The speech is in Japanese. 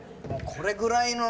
これぐらいの」